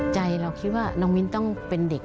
เราคิดว่าน้องมิ้นต้องเป็นเด็ก